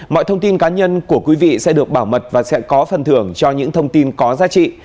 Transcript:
mọi thông tin cá nhân của quý vị sẽ được bảo mật và sẽ có phần thưởng cho những thông tin có giá trị